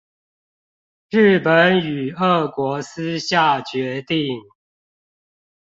日本與俄國私下決定